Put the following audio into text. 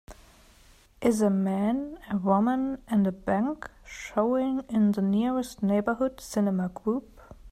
Is A Man, a Woman, and a Bank showing in the nearest Neighborhood Cinema Group